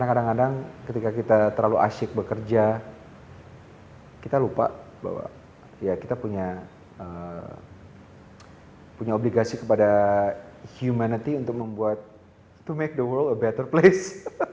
kadang kadang ketika kita terlalu asyik bekerja kita lupa bahwa ya kita punya obligasi kepada humanity untuk membuat to make the world a better place